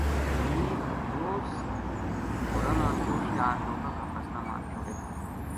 منیر روز گھوڑاں نا چوری نال لوکاں کا فصلاں ما چھوڈے تھو